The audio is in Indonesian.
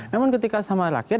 namun ketika sama rakyat